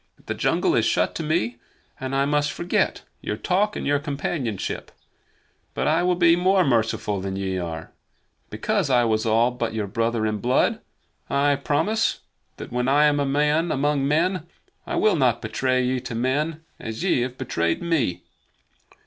The jungle is shut to me, and I must forget your talk and your companionship. But I will be more merciful than ye are. Because I was all but your brother in blood, I promise that when I am a man among men I will not betray ye to men as ye have betrayed me."